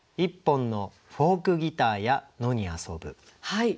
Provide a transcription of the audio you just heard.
はい。